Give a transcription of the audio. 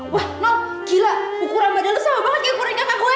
wah noh gila ukuran badan lu sama banget ke ukuran kakak gue